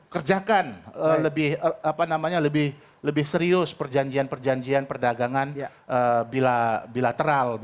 kerjakan lebih serius perjanjian perjanjian perdagangan bilateral